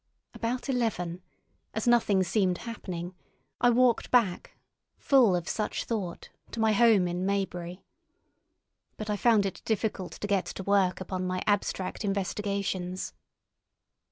About eleven, as nothing seemed happening, I walked back, full of such thought, to my home in Maybury. But I found it difficult to get to work upon my abstract investigations.